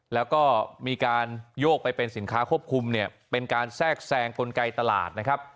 แล้วก็มีการโยกไปเป็นสินค้าควบคุมเนี่ยเป็นการแทรกแซงกลไกตลาดนะครับ